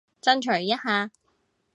爭取一下